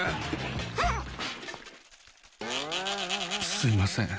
すいません。